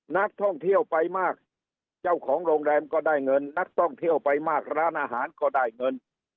นักท่องเที่ยวไปมากเจ้าของโรงแรมก็ได้เงินนักท่องเที่ยวไปมากร้านอาหารก็ได้เงิน